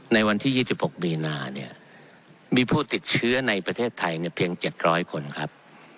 ในวันที่๒๖มีนาเนี่ยมีผู้ติดเชื้อในประเทศไทยเพียง๗๐๐คนครับ